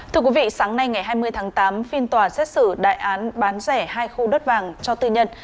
thưa quý vị sáng nay ngày hai mươi tháng tám phiên tòa xét xử đại án bán rẻ hai khu đất vàng cho tư nhân